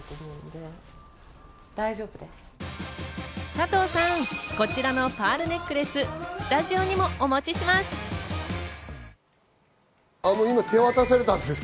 加藤さん、こちらのパールネックレス、スタジオにもお持ちします。